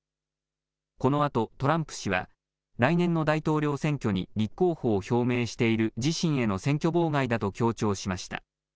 このあとトランプ氏は来年の大統領選挙に立候補を表明している自身への制御妨害だと強調しました。